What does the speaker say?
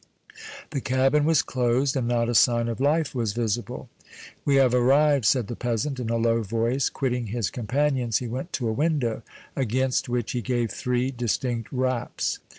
The cabin was closed and not a sign of life was visible. "We have arrived," said the peasant, in a low voice. Quitting his companions, he went to a window, against which he gave three distinct raps.